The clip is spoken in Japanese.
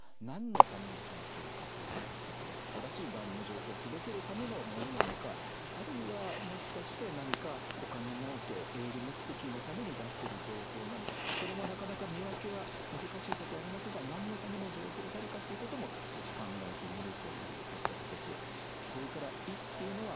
正しいがんの情報を届けるためのものなのかあるいはもしかして何かお金もうけ営利目的のために出してる情報なのかそれもなかなか見分けは難しいとこありますがなんのための情報であるかということも少し考えてみるというところです。